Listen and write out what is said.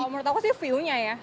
menurut aku sih view nya ya